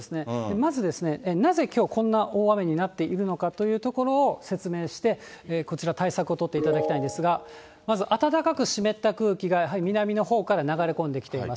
まず、なぜきょう、こんな大雨になっているのかというところを説明して、こちら対策を取っていただきたいんですが、まず暖かく湿った空気がやはり南のほうから流れ込んできています。